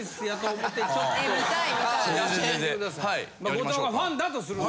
後藤がファンだとすると。